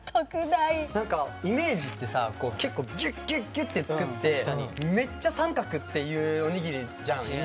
何かイメージってさ結構ぎゅっぎゅっぎゅって作ってめっちゃ三角っていうおにぎりじゃん。